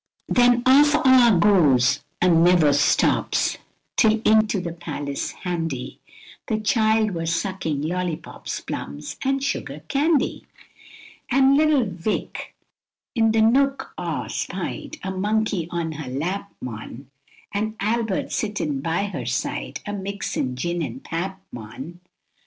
Then off aw goes an' never stops, till into th' palace handy, Th' child wur sucking lollypops, plums, and sugarcandy; An' little Vic i'th nook aw spied, a monkey on her lap, mon, An' Albert sittin' by her side, a mixin' gin an' pap mon. Everything wur, &c.